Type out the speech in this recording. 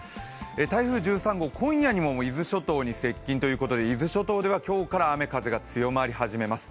台風１３号、今夜にも伊豆諸島に接近ということで伊豆諸島では今日から雨風が強まり始めます。